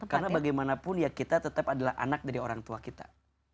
karena bagaimanapun ya kita tetap adalah anak dari orang tua kita